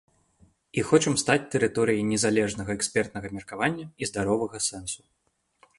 І хочам стаць тэрыторыяй незалежнага экспертнага меркавання і здаровага сэнсу.